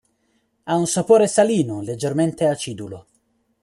Ha un sapore salino, leggermente acidulo.